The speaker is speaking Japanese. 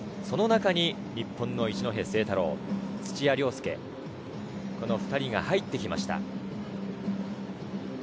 その中に日本の一戸誠太郎、土屋良輔、この２人が入ってきました。